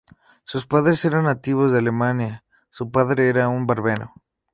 Sus padres eran nativos de Alemania; su padre era un barbero.